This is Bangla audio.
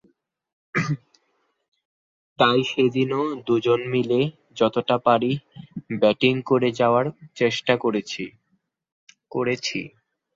তাই সেদিনও দুজন মিলে যতটা পারি ব্যাটিং করে যাওয়ার চেষ্টা করেছি।